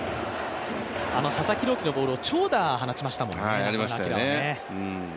あの佐々木朗希のボールを長打放ちましたからね、中村晃はね。